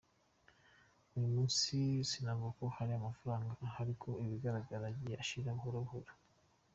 Uyu munsi sinavuga ko hari amafaranga ahari kuko ibigaragara yagiye ashira buhoro buhoro.